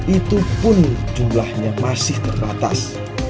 itu pun jumlahnya masih terbatas